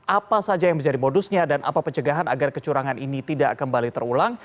apa saja yang menjadi modusnya dan apa pencegahan agar kecurangan ini tidak kembali terulang